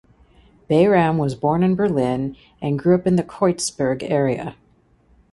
Bayram was born in Berlin and grew up in the Kreuzberg area.